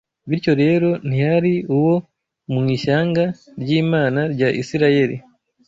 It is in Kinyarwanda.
bityo rero ntiyari uwo mu ishyanga ry’Imana rya Isirayeli